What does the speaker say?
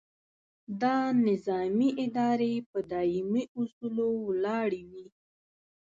دا نظامي ادارې په دایمي اصولو ولاړې وي.